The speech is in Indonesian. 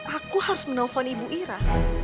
aku harus menelpon ibu ira